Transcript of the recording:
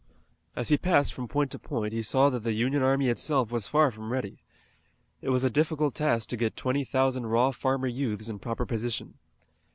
As he passed from point to point he saw that the Union army itself was far from ready. It was a difficult task to get twenty thousand raw farmer youths in proper position.